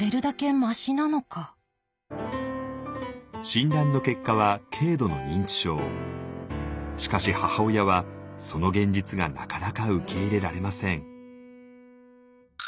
診断の結果はしかし母親はその現実がなかなか受け入れられません。